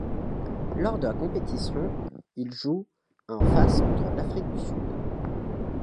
Lors de la compétition, il joue un face contre l'Afrique du Sud.